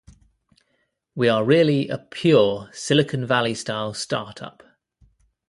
We are really a pure Silicon Valley-style startup.